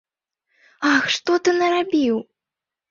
Ах, што ты нарабіў!